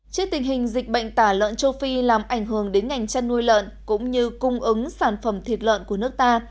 trước tình hình dịch bệnh tả lợn châu phi làm ảnh hưởng đến ngành chăn nuôi lợn cũng như cung ứng sản phẩm thịt lợn của nước ta